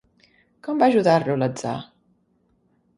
Com va ajudar-lo, l'atzar?